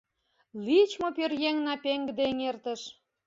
Лийыч мо пӧръеҥна Пеҥгыде эҥертыш?